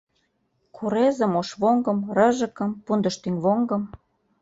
— Курезым, ошвоҥгым, рыжыкым, пундыштӱҥвоҥгым...